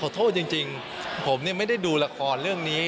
โทษจริงผมไม่ได้ดูละครเรื่องนี้